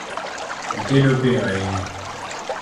Itedo piyo ahinya